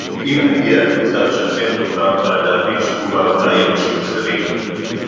אם נגיע למצב שאכן תוקם ועדה וישבו בה אולי אנשים אחרים